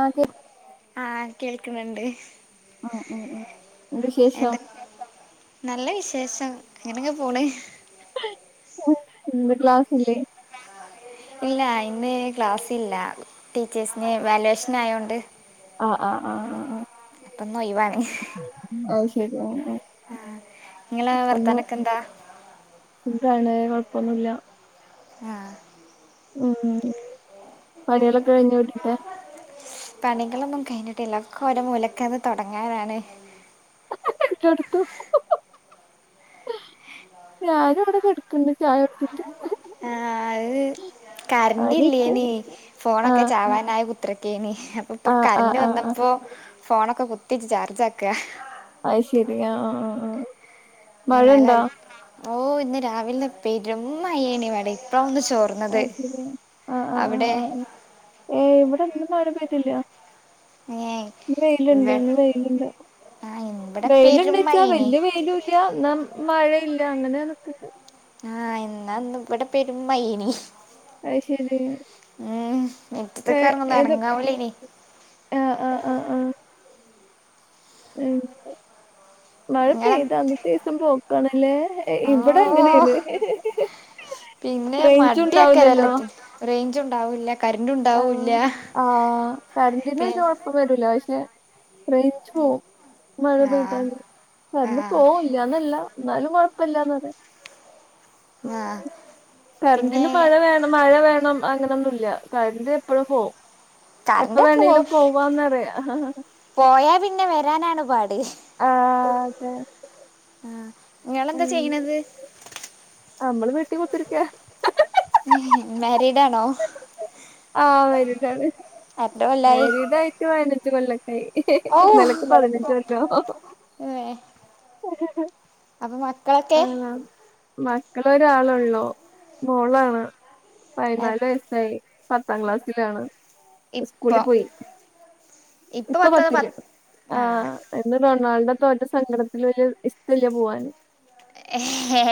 ആഹ് ആഹ് കേൾക്ക്‌ണ് ണ്ട് ആഹ് ആഹ് ആഹ് എന്താ വിശേഷം? നല്ല വിശേഷം ഇങ്ങനെക്കെ പോണ്. ഉം ഇന്ന് ക്ലാസ് ഇല്ലേ? ഇല്ല ഇന്ന് ക്ലാസ്സ്ല്ല ടീച്ചേഴ്സിന് വാലേഷനായോണ്ട്. ആഹ് ആഹ് ആഹ് ആഹ് ആഹ് അപ്പ ഇന്നൊയിവാണ് അഹ്ശെരി ആഹ് ആഹ് ആഹ് ഇങ്ങളെ ഒന്ന് വർത്താനക്കെ എന്താ? സുഖാണ് കൊഴപ്പൊന്നുല്ല. ആഹ് ഉം ഉം ഉം പണിളൊക്കെ കഴിഞ്ഞോ വീട്ട്ത്തെ? പണികളൊന്നും കഴിഞ്ഞിട്ടില്ല ഒക്കെ ഓരോ മൂലക്കന്ന് തൊടങ്ങാനാണ്. ന്റടുത്ത് ഞാന് ഇവടെ കെടക്ക്ണ്ട് ചായ കുട്ച്ചിട്ട്. ആഹ് കർന്റ് അരിയിട്ട് ഇല്ലേനി ഫോണൊക്കെ ആഹ് ചാവാനായി കു ത്രക്കെയ്നി അപ്പ ഇപ്പൊ ആഹ് ആഹ് കർന്റ് ആഹ് ആഹ് വന്നപ്പോ ഫോണക്കെ കുത്തിച്ച് ചാർജ് ആക്ക. അഹ് ശരി ആഹ് ആഹ് ആഹ് ആഹ് ആഹ് ഇന്നലെ മഴണ്ടോ ഓഹ് ഇന്ന് രാവിലെ പെരുമഴേനി വടേ ഇപ്പം ഒന്ന് ചോർ അഹ് ശരിയാണ് ആഹ് ആഹ് ആഹ് ആഹ് ആഹ് ഏയ് ഇവടെന്നും മഴ പെയ്തില്ല. ഏയ് ഇന്ന് വെയ്ല്ണ്ട് ഇന്ന് വെയ്ല്ണ്ട് ആ ഇവിടെ പെരും വെയില്ണ്ട്ച്ചാ മഴയാണ് വല്യ വെയിലുല്ല ന്ന മഴയില്ല അങ്ങനെ നിക്ക്‌ണ്ട്. ആഹ് ഇന്നാന്ന് ഇവ്ടെ പെരും മഴേനി. അത് ശരി ഉം മിറ്റത്ത്ക്ക്‌ എർങ്ങും എർങ്ങാവു ലെയ്നി ആഹ് ആഹ് ആഹ് ആഹ് എങ്ങനെ മഴ നിങ്ങളെ പെയ്ത അന്നത്തെസം പോക്കാ ണ്ല്ലേ? ഇവടെ ഓ അങ്ങനെണ്. പിന്നെ മടിക്കാരം എല്ലത്ത് റേഞ്ച് ഉണ്ടാവൂല്ല കരന്റ് ഉണ്ടാവൂല്ല. ആഹ് കറന്റിന് വല്യ കൊഴപ്പം വരൂല പക്ഷെ റേഞ്ച് പോവും മഴ ആ പെയ്താല് ആ കർന്റ് പോവോയ് ഇല്ലാന്നല്ല ഇന്നാലും കൊഴപ്പല്ലാന്ന് പറ്യ. ഉം ആ ഉം പിന്നെ കർൻ്റിനും മഴ വേ ണം മഴ വേണം അങ്ങനെന്നുല്ല കർൻ്റ് എപ്പളും പോവും. എപ്പ കറണ്ട് എപ്പോഴും വേണങ്കിലും പോകും പോവാന്ന്റിയ പോയാ പിന്നെ വരാനാണ് പാട്. ആഹ് തെ ആഹ് ങ്ങെളെന്താ ചെയ്യണത്? അമ്മള് വീട്ടി കുത്തിരിക്ക. ഉം മാരീഡാണോ? ആഹ് മാരീടാണ്. എത്ര കൊല്ലായി മാരീടായിട്ട് പയ് നഞ്ചു കൊല്ലക്കായി. ഓ ഇന്നലക്ക് പതിനഞ്ച് കൊല്ലം. ഏ അപ്പൊ മക്കളൊക്കെ? മക്കള് ഒരാളള്ളോ മോളാണ്. പയ്നാല് വയസ്സായി. പത്താം ക്ലാസ്സിലാണ്. ഇപ്പൊ സ്കൂളിൽ പോയി. ഇപ്പൊ പത്തത് പത്തില്. പ ആഹ് ഇന്ന് റൊണാൾഡോ തോറ്റ സങ്കടത്തില് ഒരു ഇഷ്ടല്യ പോവാന്. എഹെ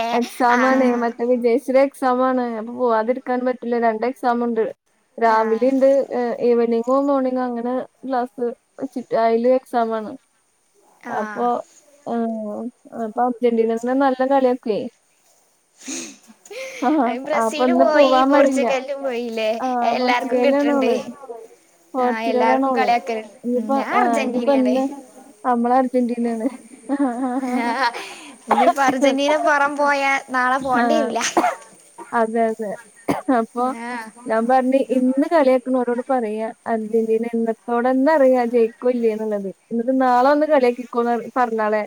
ആഹ് വിജേശ്വര എക്സാമാണ്. അപ്പൊ പോവാതിക്കാൻ പറ്റില്ല. രണ്ട് എക്സാം ഉണ്ട് രാവിലി ആഹ് ണ്ട് ഏഹ് ഈവനിങ്ങോ മോർണിങ്ങോ അങ്ങനെ ക്ലാസ് വച്ചിട്ട് അയില് എക്സാമാണ്. ആഹ് അപ്പൊ ആ അപ്പൊ അർജന്റീനെന്റെ നല്ല കളിയൊക്കേ. ആഹ് അത് അപ്പൊ ബ്രസീല് ന്ന് പോയി പോവാൻ മടില്ല. പോർച്ചുഗലും പോയില്ലേ ആഹ് എല്ലാർക്കും പോർച്ചുകയിലാണ് കിട്ടണ്ട് ഓള് ആഹ് പോർച്ചുഗലാണ് എല്ലാർക്കും ഓള്. കളിയാക്കലുണ്ട് ഞാൻ ന്ന് പ്പ അർജന്റീനയാണ് ന്ന് അമ്മള് അർജന്റീനാണ്. ഇനിയിപ്പ അർജന്റീന പുറം പോയാൽ ആഹ് അതെ അതെ അപ്പൊ ആഹ് ഞാ പറഞ് ഇന്ന് കളിയാക്കണോരോട് പറയ അർജന്റീന ഇന്നത്തോടന്ന അറിയ ജയിക്കോ ഇല്ലേ എന്നുള്ളത്. എന്നിട്ട് നാളെ വന്ന് കളിയാക്കിക്കോന്ന് പറഞ്ഞാളെ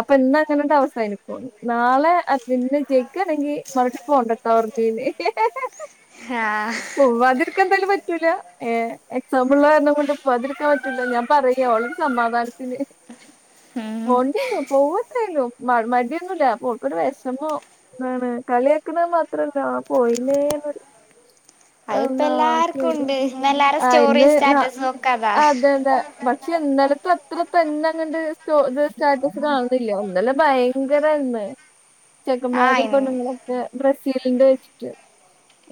അപ്പൊ ഇന്നന്നെ ടാസ് ക്കായിരിക്കും. നാളെ അർജന്റീന ജയിക്കാനെങ്കി നാട്ടി പോണ്ടട്ട പർഞ്ഞിനി. ആഹ് പോവ്വാതിർക്കെന്തായാലും പറ്റൂല. ഏ എക്സാമിള്ള കാരണം കൊണ്ട് പോതിരിക്കാൻ പറ്റില്ല ല്ലോ ഞാൻ പറയാ ഓളെരു സമാധാനം ത്തിന്. ഉം പോണ്ടിരും. പോവും എന്തായാലും. മ മടിയൊന്നുല്ല അപ്പൊ ഓൾക്കൊരു വേഷമോ അതാണ്. കളിയാക്കുന്ന മാത്രല്ല ആ പോയീലേ ന്നൊരു അതിപ്പോ എല്ലാർക്കും ഉണ്ട് ഇന്നെല്ലാരും ആ ഇന്ന് സ്റ്റോറിയും സ്റ്റാറ്റസും ഒക്കെ അതാ അതെ തെ പക്ഷെ ഇന്നലത്തെ അത്ര തന്നെ ങ്ങട്ട് സ്റ്റോറ്റസ് സ്റ്റാറ്റസ് കാണുന്നില്ല. ഇന്നലെ ഭയങ്കരന്ന് ആഹ് ചെക്കന്മാരും ഇ പെണ്ണുങ്ങളും ഒക്കെ ഡ്രസീലിന്റെ വെച്ചിട്ട്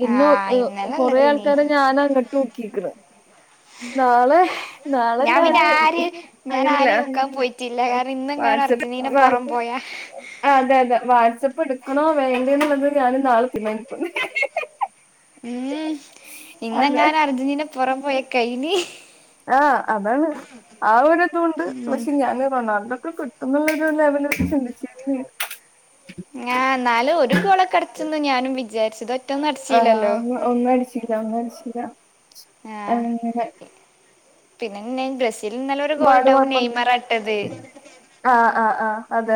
ഇന്നോ ആഹ് കൊറേ ഇന്നലെല്ലതേനി ആൾക്കാരെ ഞാൻ അങ്ങോട്ട് ഊക്കിക്ക്ണ്. നാളെ നാളെ ഞാൻ പിന്നെ ഞാന് അങ്ങനെല്ല പറ്റില്ല കാരണം ഇന്നങ്ങാനും അർജന്റീന പുറം പോയാ ആ അതെ അതെ വാട്സ്ആപ്പ് എടുക്കണോ വേണ്ടന്ന് ള്ളത് ഞാന് നാളെ തീരുമാനിക്കും. ഉം അതെ ഇന്നങ്ങാനും അർജന്റീന പുറം പോയ കഴിഞ്ഞി. ആഹ് അതാണ് ആ ഒരുതൂണ്ട്. ഉം പക്ഷെ ഞാന് റൊണാൾഡോക്കെ കിട്ട അങ്ങനുള്ളൊരു ലവലസ് ഉണ്ട്. ചുന്ന ആഹ് എന്നാലു ഒരു ഗോളക്കേ അടിക്കുന്ന് ഞാനും വിചാരിച് ഇത് ഒറ്റന്നും ആഹ് അടച്ചില്ലല്ലോ? ഒന്ന് ഒന്നും അടിച്ചില്ല ഒന്നു അടിച്ചില്ല. അങ്ങനെ പിന്നെങ്ങനെ ബ്ര എടി ഇന്നലെ ഒരു പാട് ഗോലിട്ടപ്പോ കുഴപ്പം നെയ്മറാട്ടത്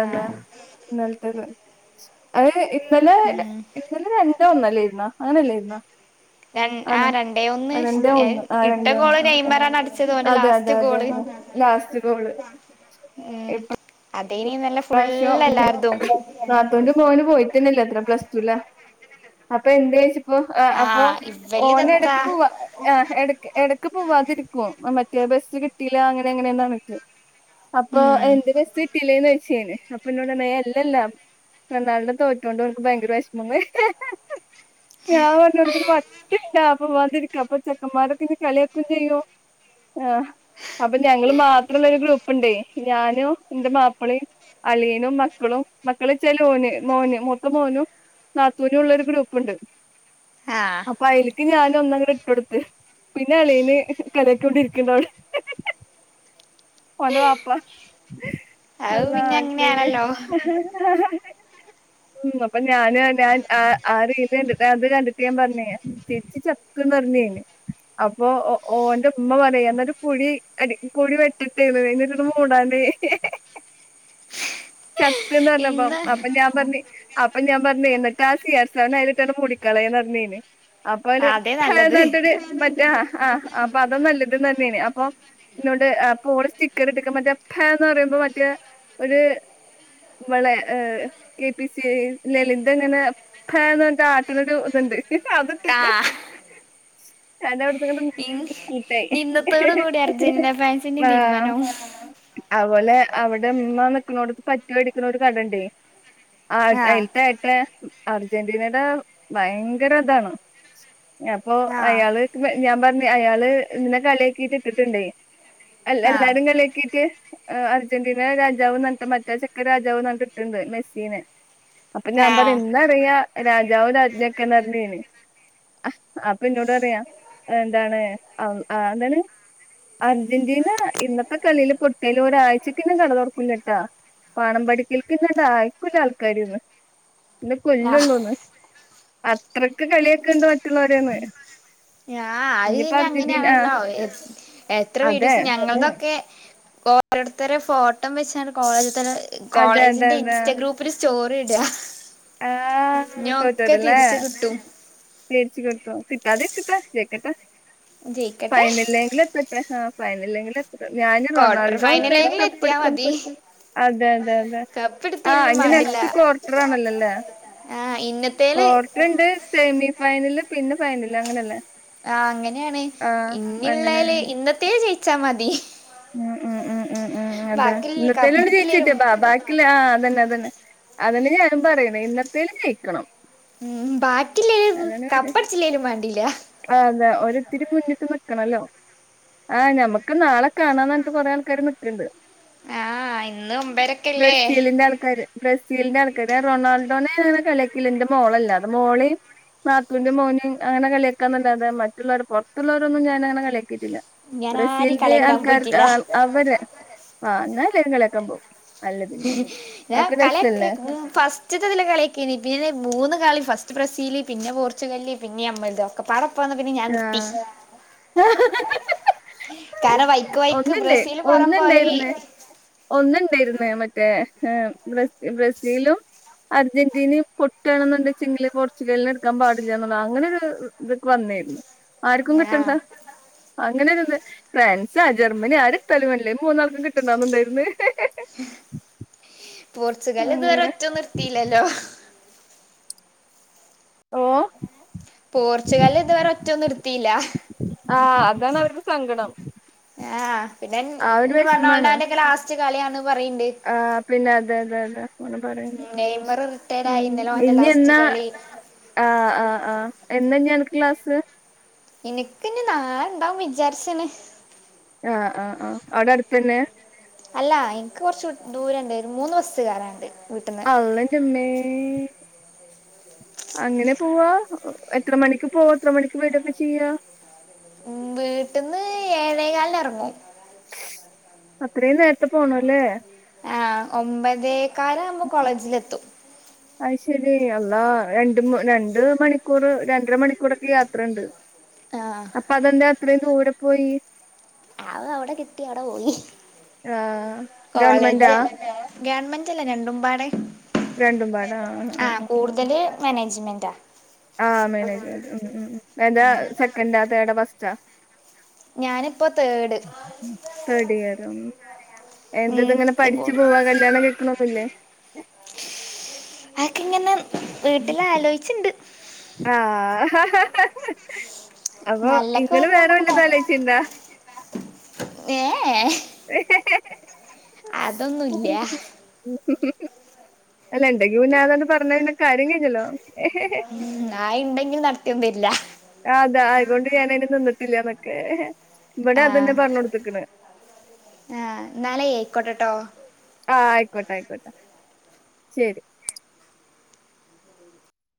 ആഹ ഇന്നലത്തത്. അഹ് ഇന്നലെ ഉം ഇന്നലെ രണ്ട് ഇ ഒന്നല്ലായിരുന്ന അങ്ങനല്ലേരുന്ന ര ആ ആണ് രണ്ടേ ഒന്ന് അഹ് രണ്ടേ ഒന്ന് ആഹ് ഇട്ട രണ്ടേ ഒന്ന് ഗോള് ആഹ് നെയ്മറാണ് അടിച്ചത് ഓന്റെ അതെ അതെ ലാസ്റ്റ് അതെ ഗോള് അഹ് ലാസ്റ്റ് കോള് ഇപ്പ അതയ്നി നല്ല ഫുുള്ളെല്ലാർതും അണ്ട് പോന് പോയിട്ടെന്നല്ലത്ര പ്ലസ് ടുല അപ്പ എന്തേയ്ച്ച ആഹ് അപ്പൊ ഓന് എടക്ക് പോവാ അഹ് എട എടക്ക് പോവാതിരിക്കുവോ മറ്റേ ബസ്സ് കിട്ടീല്ല അങ്ങനെ എങ്ങനെർഞ്ഞിട്ട് അപ്പൊ ഉം എന്ത് ബസ് കിട്ടില്ലേന്നൊയ്ച്ച് ഞാന് അപ്പൊ ഇന്നോട് ർഞ്ഞ് എ ഇല്ലല്ല [unintelligible] തോറ്റണ്ട് [unintelligible] ഭയങ്കര വിഷമങ്ങ ഞാൻ പറഞ്ഞൊട്ത്തിട്ട് ണ്ട അപ്പൊ വതിരിക്ക അപ്പൊ ചക്കമാരൊക്കെ കളിയാക്കും ചെയ്യും ആഹ് അപ്പൊ ഞങ്ങള് മാത്രള്ള ഒരു ഗ്രൂപ്പ്ണ്ടേ ഞാനും ഇന്റെ മാപ്പിളിം അളിയനും മക്കളും മക്കള്ച്ചല് ഓന് മോന് മൂത്ത മോനും നാത്തൂനുള്ളൊരു ഗ്രൂപ്പുണ്ട് ആഹ് അപ്പൊ അയ്ല്ക്ക് ഞാനൊന്നങ്ങട് ഇട്ടൊട്ത്ത് പിന്നെ അളയിന് കടേ [unintelligible] കൊണ്ടിരിക്ക്ണ്ടവിടെ ഓന്റെ വാപ്പ അത് ആഹ് പിന്നെ അങ്ങനെയാണല്ലോ [unintelligible] അപ്പൊ ഞാന് ഞാൻ ആഹ് ആഹ് റീല് കണ്ടിട്ട് അത് കണ്ടിട്ട് ഞാൻ പറഞ്ഞെ ചിരിച്ച് ചത്ത്ന്ന് പറഞ്ഞെ അപ്പൊ ഓ ഒന്റെ ഉമ്മ പറയാ ന്നട്ട് കുഴി കുഴി വെട്ടട്ടേന്നറയ മൂടാണ്ട് ചത്ത്ന്ന് പറഞ്ഞപ്പോ ഇന്ന് അപ്പൊ ഞാ പറഞ്ഞ് അപ്പൊ ഞാൻ പറഞ്ഞ് ന്നിട്ട് ആ സി ആർ സവനെ അയിലിട്ടങ്ങട്ട് മുടിക്കളന്ന് പറഞ്ഞെ അപ്പൊവര് അതേ നല്ലത് പഴനാട്ടര് മറ്റ ആ ആഹ് അപ്പൊ അതോ നല്ലത തന്നെയാണ് അപ്പൊ ഇന്നൊണ്ട് ഓള് സ്റ്റിക്കർ ഇട്ടക്ക മറ്റേ അപ്പന്ന് പറയുമ്പോ മറ്റേ ഒര് വളെ ഹ് കെ പി സി ലളിതങ്ങനെ കാരണെന്ത ആഹ് ഇന്ന് ഇന്നത്തോട് കൂടി അർജന്റീന ഫാൻസിന്റെയും [unintelligible] [unintelligible] തീരുമാനാവും ആഹ് അതുപോലെ അവിടെ ഇമ്മ നിക്ക്ന്നോടത്ത് പറ്റ് മേടിക്കുന്ന ഒരു കടണ്ടേ ആഹ് അയിത്തെ ഏട്ടെ അർജന്റീനയുടെ ഭയങ്കര താണ് അപ്പൊ ആഹ് അയാള് ഞാൻ പറഞ്ഞ് അയാള് നിന്നെ കളിക്കീട്ട് ഇട്ടിട്ട്ണ്ടേ അല്ല ആഹ് എല്ലാരും കളിയാക്കീട്ട് അർജന്റീന രാജാവ് നട്ട് മറ്റാ ചെക്കൻ രാജാവ് ന്നൊക്കെ ഇട്ടുണ്ട് മെസ്സീനെ അപ്പൊ ഞാൻ പറയ ആഹ് ഇന്നറിയ രാജാവും രാജ്ഞിക്കെഞ്ഞർന് അപ്പൊ ഇന്നോട് പറയാ എന്താണ് ആഹ് എന്താണ് അർജന്റീന ഇന്നത്തെ കളില് പൊട്ടിയാല് ഒരാഴ്ചക്ക് കട തുറക്കൂലട്ടാ പാണം പഠിക്കൽക്കന്നണ്ട ആയിക്കൂല ആൾക്കാര്ന്ന് ഇന്നെ ആഹ് കൊല്ലള്ളൂന്ന് അത്രക്ക് കളിയാക്ക്ണ്ട് മറ്റുള്ളോര്ന്ന് ആഹ് അത് കഴിഞ്ഞ ആഹ് അങ്ങനെയാണല്ലോ എത്ര അതെ വീഡിയോസ് ഞങ്ങളുടെക്കെ ഓരോരുത്തര് ഫോട്ടോ വെച്ചാണ്ട് കോളേജിൽ തന്നെ അതെ അതെ കോളേജിന്റെ അതെ ഇൻസ്റ്റഗ്രൂപ്പ് ര് സ്റ്റോറി ഇട ഞൊക്കെ തിരിച്ച് കിട്ടും തിരിച്ച കിട്ടും കിട്ടതെക്കട്ടെ ജയിക്കട്ടെ ജയിക്കട്ടെ ഫൈനലെങ്കിലും എത്ത ഹ ഫൈനലെങ്കിൽ എത്ര ഞന് ക്വാർട്ടർ റൊണാൾഡോ എന്തായിലും ഫൈനലെങ്കിലും കപ്പ് എത്തിയാ എടുക് മതി അതെ തെ തെ കപ്പ് ആഹ് എടുത്തില്ലേലും ഇഞ് വേണ്ടില്ല നെക്സ്റ്റ് ക്വാർട്ടർ ആണല്ലോ ആഹ് ഇന്നത്തേല് കോർട്ടർ ഇണ്ട് സെമി ഫൈനല് പിന്നെ ഫൈനല് അങ്ങനെയല്ലേ ആ അങ്ങനെയാണ് ആഹ് അങ്ങനെ ഇന്നള്ളായല് ഇന്നത്തേ ജയിച്ചാ മതി ഉം ഉം ഉം ഉം ഉം അതെ ബാക്കിൽ ഇന്നത്തേല് കപ്പെടുത്തില്ലേലും ജയിച്ചിട്ട്യാ ബാക്കി ആഹ അതന്നെ അത തന്നെ അതിന്നെ ഞാനും പറയണ ഇന്നത്തേൽ ജയിക്കണം ഉം ബാക്കില്ലേലും കപ്പടച്ചില്ലേലും വേണ്ടില്ല ആഹ അതെ ഒരിത്തിരി മുന്നിട്ട് നൽക്കണല്ലോ ആഹ് ഞമ്മക്ക് നാളെ കാണാന്നറ ന്നിട്ട് കൊറെ ആൾക്കാര് നിക്ക്ണ്ട് ആഹ് ഇന്ന് ഒമ്പരക്കല്ലേ ബ്രസീലിന്റെ ആൾക്കാര് ബ്രസീലിന്റെ ആൾക്കാര് റൊണാൾഡോനെ അങ്ങനെ കളിയാക്കീല ന്റെ മോളല്ലേ അത് മോള് നാത്തൂന്റെ മോനിം അങ്ങനെ കളിയക്കാന്നല്ലാത മറ്റുള്ളവർ പുറത്തുള്ളവരൊന്നും ഞാന അങ്ങനെ കളാക്കിയിട്ടില്ല ഞാൻ ആരിം ബ്രസീലിന്റെ കളിയാക്കാൻ ആൾക്കാർക്ക് പോയിട്ടില്ല അവര് ആഹ എന്നാല കളിയാക്കാൻ പോകും അല്ല പിന്നെ അതൊക്കെ [unintelligible] കലക്ക് രസല്ലേ ഫസ് ഉച്ചിത്തത്തിലെ കളിയാകീനു പിന്നെ മൂന്ന് കളി ഫസ്റ്റ് ബ്രസീല് പിന്നെ പോർച്ചുഗല് പിന്നെ അമ്മൽതോ ഒക്കപ്പാടെ ഒപ്പം വന്നപ്പോ ഞാൻ നിർത്തി കാരണം വൈക്ക് വൈക്ക് ഒന്നണ്ട് ബ്രസീല് പുറം പോയി ഒന്നണ്ടായിന്ന് ഒന്നുണ്ടായിരുന്ന് മറ്റേ ബ്രസീലും അർജന്റീന പൊട്ടുകയാണെന്നുണ്ടങ്കച്ചില് പോർച്ചുഗലിന് എടുക്കാൻ പാടില്ല എന്നുള്ള അങ്ങനെരു ഇതൊക്കെ വന്നേരുന്നു ആർക്കും ആഹ് കിട്ടന്താ അങ്ങനെരുത് ഫ്രാൻസ് ജർമ്മനി ആരെത്താലും വേണ്ടില്ല ഈ മൂന്നാൾക്കും കിട്ടണ്ടന്നുണ്ടായിരുന്നു പോർച്ചുഗൽ ഇതുവേരെ അങ്ങനെ ഒറ്റോന്ന് ഇട്ത്തില്ലല്ലോ ഓഹ പോർച്ചുഗല് ഇതുവരെ ഒറ്റ ഒന്നും ഇട്ത്തില്ല ആഹ് അതാണ് അവർക്ക് സങ്കടം ആഹ് പിന്നെ ആ ഒരു റൊണാൾഡോന്റെ ഒക്കെ ലാസ്റ്റ് കളിയന്ന് പറയണ്ട് ആഹ പിന്നെ അതെ അതെ അതെ അങ്ങനെ പറയണ്ട് നെയ്മർ റിട്ടയർഡ് ഉം ആയി ഇന്നലെ ഓന്റെ ഇനി ലാസ്റ്റ് എന്നാ കളി ആഹ് ആഹ് ആഹ് എന്നാഞ്ഞ് അണക്ക് ക്ലാസ് ഇനിക്ക്ഞ്ഞ് നാളെണ്ടാവും വിചാരിച്ച്ണ് ആഹ് ആഹ് ആഹ് അവ്ടെ അടുത്തന്നേ അല്ലാ എനിക്ക് കൊറച്ച് വി ദൂരണ്ട് മൂന്ന് ബസ്സ് കേറാണ്ട് അള്ളന്റെമ്മേ അങ്ങനെ പോവ്വാ എത്ര മണിക്ക് പോവും എത്ര മണിക്ക് വരൊക്കെ ചെയ്യാ ഉം വീട്ട്ന്ന് ഏഴേകാലിന് എറങ്ങും അത്രേം നേര്ത്തെ പോണല്ലേ ആഹ് ഒമ്പതേക്കാലാവുമ്പോ കോളേജിൽ എത്തും അയ്ശരി അള്ളാ രണ്ട് മ രണ്ട് മണിക്കൂർ രണ്ടര മണിക്കൂറൊക്കെ യാത്രണ്ട് [inaudible] ആഹ് അപ്പതെന്താ അത്രയും ദൂരെ പോയി ആഹ് അത് അവ്ടെ കിട്ടി അവ്ടെ പോയി ആഹ് കോളേജ് ഗവൺമെന്റാ ഗവൺമെന്റല്ല രണ്ടുമ്പാടെ രണ്ടുമ്പാടെ ആഹ് ആഹ് കൂടുതല് മാനേജ്മെന്റാ ആഹ് മാനേജ്മെന്റ് ഉം ഉം ഉം എന്താ സെക്കന്റാ തേർഡാ ഫസ്റ്റാ ഞാന്പ്പോ തേഡ് ഉം തേർഡ് ഇയറും എന്തത്ങ്ങനെ ഇത് പഠിച്ച് കൂടി പോവ്വാ കല്ല്യാണം കഴി ക്ക്ണൊന്നൂല്ലേ അഎക്കെങ്ങനെ വീട്ടില് ആലോയിച്ച്ണ്ട് ആഹ് അപ്പൊ നല്ലൊക്കെ ഇങ്ങള് വരുമ്പോ വേറെ നമുക്ക് വെല്ലതും നോക്കാം ആലോയ്ച്ച്ണ്ടോ ഏ ഏ ഹ് അതൊന്നുമില്ല ഹ് എല്ലാ ഇണ്ടെങ്കി പിന്നെ അതണ്ട് പറഞ്ഞാ പിന്നെ കാര്യം കയിഞ്ഞല്ലോ ഉം ആയിണ്ടെങ്കിലും നടത്തിയൊന്നും തരില്ല ആതാ അയ്കൊണ്ട് ഞാനയിന് നിന്നിട്ടില്ലാന്നൊക്കേ ഇവ്ടെ ആ അത് തന്നേ പറഞ്ഞൊട്ത്ത്ക്ക്ണ് ആഹ് ന്നാലെയ് അയിക്കോട്ടെട്ടോ ആഹ് അയ്ക്കോട്ടെ അയ്ക്കോട്ടെ ശരി